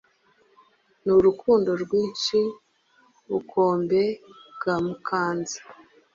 Nurukundo rwinshi. Bukombe bwa Mukanza